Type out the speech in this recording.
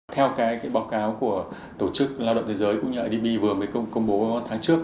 theo cái báo cáo của tổ chức lao động thế giới cũng như idb vừa mới công bố tháng trước